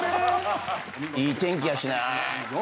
いい天気やしな。